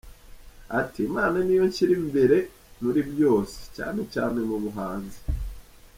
Ati “ Imana niyo nshyira imbere muri byose, cyane cyane mu buhanzi.